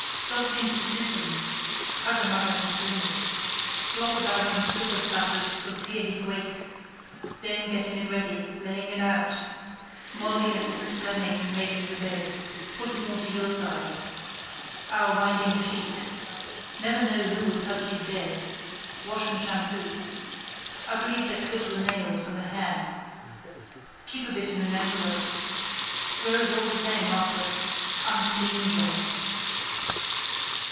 Job seems to suit them. Huggermugger in corners. Slop about in slipperslappers for fear he'd wake. Then getting it ready. Laying it out. Molly and Mrs Fleming making the bed. Pull it more to your side. Our windingsheet. Never know who will touch you dead. Wash and shampoo. I believe they clip the nails and the hair. Keep a bit in an envelope. Grows all the same after. Unclean job.